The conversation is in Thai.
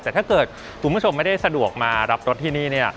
แต่ถ้าเกิดคุณผู้ชมไม่ได้สะดวกมารับรถที่นี่เนี่ย